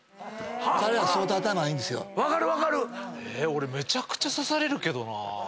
俺めちゃくちゃ刺されるけどな。